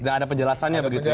dan ada penjelasannya begitu